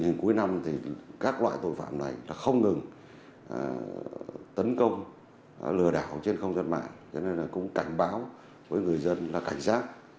nhiều nạn nhân khi đến cơ quan công an chính báo đều cho biết